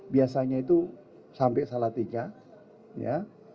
biasanya itu sampai salatika ya